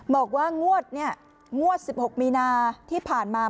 บอกว่างวดเนี่ยงวด๑๖มีนาที่ผ่านมา